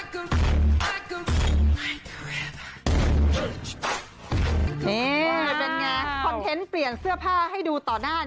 คอนเทนต์เปลี่ยนเสื้อผ้าให้ดูต่อหน้า